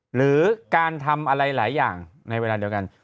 หรือการทำอะไรหลายอย่างในเวลาเดียวกัน